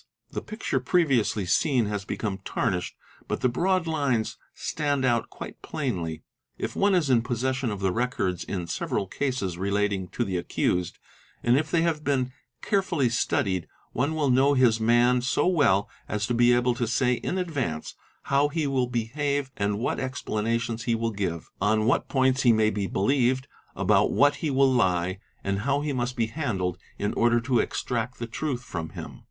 The picture e eviously seen has become tarnished, but the broad lines stand out quite p jlainly. If one is in possession of the records in several cases relating to "the accused, and if they have been carefully studied, one will know his man so well as to be able to say in advance how he will behave and what Ber etiations he will give, on what points he may be believed, about what he will lie, and how he must be handled in order to extract the truth from him.